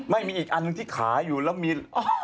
ไม่มีอีกอันหนึ่งที่ขาอยู่แล้วมี